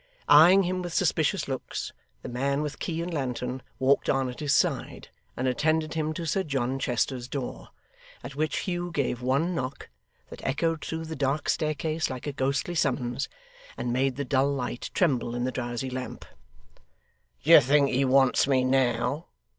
Eyeing him with suspicious looks, the man, with key and lantern, walked on at his side, and attended him to Sir John Chester's door, at which Hugh gave one knock, that echoed through the dark staircase like a ghostly summons, and made the dull light tremble in the drowsy lamp. 'Do you think he wants me now?